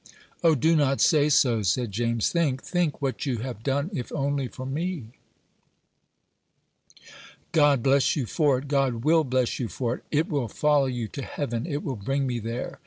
"O, do not say so," said James; "think, think what you have done, if only for me. God bless you for it! God will bless you for it; it will follow you to heaven; it will bring me there.